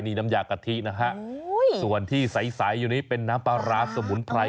นี่น้ำยากะทินะฮะส่วนที่ใสอยู่นี้เป็นน้ำปลาร้าสมุนไพร